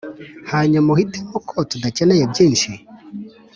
hanyuma uhitemo ko tudakeneye byinshi?